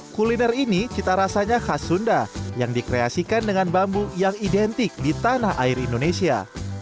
kuliner ini cita rasanya khas sunda yang dikreasikan dengan bambu yang identik di tanah air indonesia